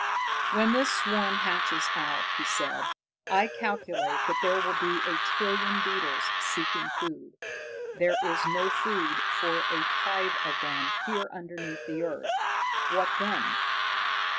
"When this swarm hatches out," he said, "I calculate that there will be a trillion beetles seeking food. There is no food for a tithe of them here underneath the earth. What then?